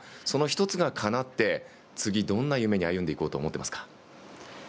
その１つがかなって次どんな夢に歩んでいこうと思っていますか？